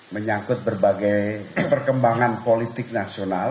menyangkut berbagai perkembangan politik nasional